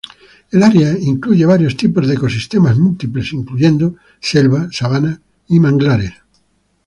El área incluye varios tipos de ecosistemas múltiples, incluyendo selva, sabana y manglares.